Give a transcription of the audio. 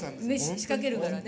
仕掛けるからね。